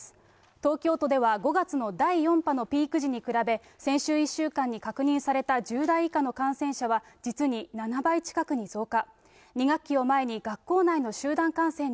東京都では５月の第４波のピーク時に比べ、先週１週間に確認された１０代以下の感染者は実に７倍近くに増加。